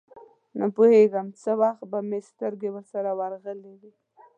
نپوهېږم څه وخت به مې سترګې سره ورغلې وې.